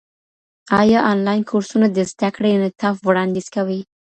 ايا انلاين کورسونه د زده کړې انعطاف وړاندیز کوي؟